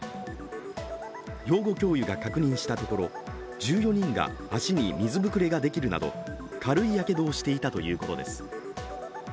養護教諭が確認したところ１４人が足に水ぶくれができるなど軽いやけどをしていたということです。